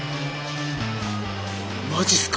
マジすか？